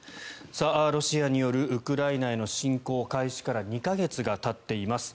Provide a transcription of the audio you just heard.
ロシアによるウクライナへの侵攻開始から２か月がたっています。